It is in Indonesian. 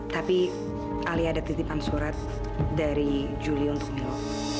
tapi alia ada titipan surat dari juli untuk beliau